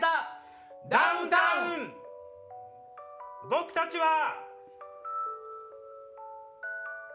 僕たちは。